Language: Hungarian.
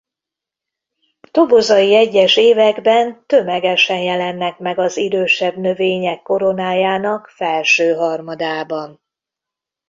Tobozai egyes években tömegesen jelennek meg az idősebb növények koronájának felső harmadában.